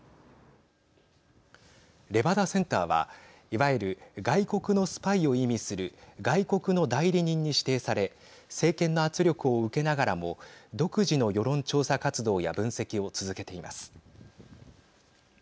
レバダセンターはいわゆる外国のスパイを意味する外国の代理人に指定され政権の圧力を受けながらも独自の世論調査活動や分析を続けています。